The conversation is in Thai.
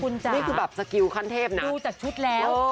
นี่คือสคิวขั้นเทพหน่ะดูจากชุดแล้ว